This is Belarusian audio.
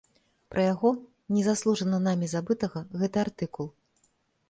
Пра яго, незаслужана намі забытага, гэты артыкул.